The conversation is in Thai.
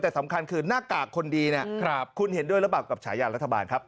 แต่สำคัญคือหน้ากากคนดีเนี่ยคุณเห็นด้วยหรือเปล่ากับฉายารัฐบาลครับ